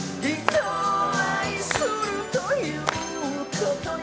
人を愛するということに